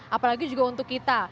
apalagi juga untuk kita